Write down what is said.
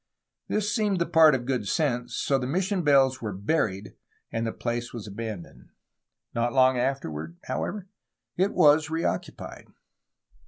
This seemed the part of good sense; so the mission bells were buried, and the place was abandoned. Not long afterward, however, it was reoccupied.